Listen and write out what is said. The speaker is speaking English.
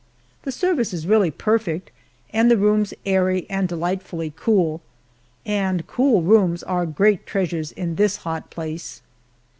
The service is really perfect, and the rooms airy and delightfully cool and cool rooms are great treasures in this hot place.